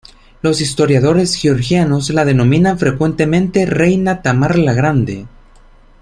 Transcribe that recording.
Los historiadores georgianos la denominan frecuentemente "Reina Tamar la Grande".